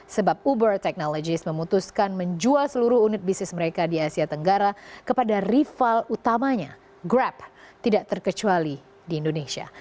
sebab uber technologies memutuskan menjual seluruh unit bisnis mereka di asia tenggara kepada rival utamanya grab tidak terkecuali di indonesia